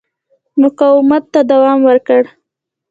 مقاومت ته دوام ورکړ.